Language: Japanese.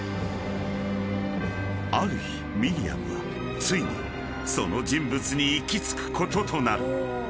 ［ある日ミリアムはついにその人物に行き着くこととなる］